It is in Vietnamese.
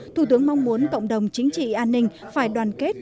thủ tướng mong muốn cộng đồng chính trị an ninh phải đoàn kết